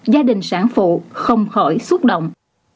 gia đình sản phụ không khỏi xúc động